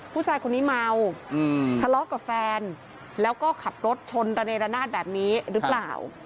ผู้ชายคนนี้เมาทะเลาะกับแฟนแล้วก็ขับรถชนระเนรนาศแบบนี้หรือเปล่า